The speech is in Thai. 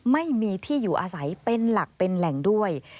ไม่มีที่อยู่อาศัยเป็นหลักเป็นแหล่งด้วย